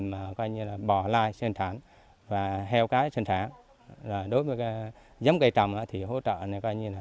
mà coi như là bò lai sân sản và heo cái sân sản đối với giấm cây trầm thì hỗ trợ này coi như là